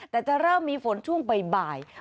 แต่จะเริ่มมีฝนช่วงบ่าย